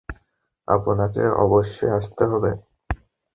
আপনাকে অবশ্যই আসতে হবে।